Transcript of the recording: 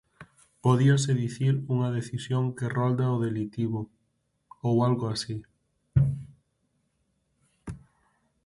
Podíase dicir unha decisión que rolda o delitivo, ou algo así.